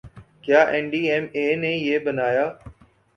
کیا N D M A نے یہ بنایا